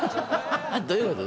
どういうこと？